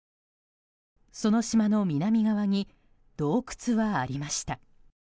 その島の南側に洞窟はありました。